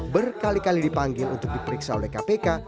berkali kali dipanggil untuk diperiksa oleh kpk